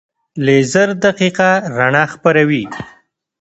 لیزر دقیقه رڼا خپروي.